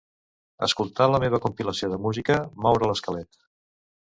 Escoltar la meva compilació de música "moure l'esquelet".